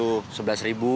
oh iya bener sebelas ribu